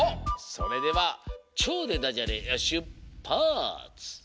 それでは「ちょう」でダジャレしゅっぱつ！